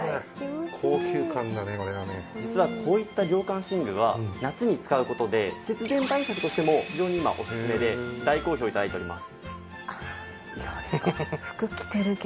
実はこういった涼感寝具は夏に使う事で節電対策としても非常に今オススメで大好評を頂いております。